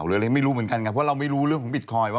หรืออะไรไม่รู้เหมือนกันไงเพราะเราไม่รู้เรื่องของบิตคอยน์ว่า